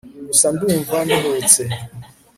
gusa ndumva nduhutse